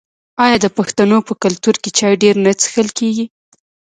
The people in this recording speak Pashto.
آیا د پښتنو په کلتور کې چای ډیر نه څښل کیږي؟